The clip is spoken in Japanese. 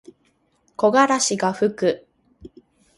木枯らしがふく。